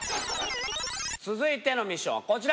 続いてのミッションはこちら。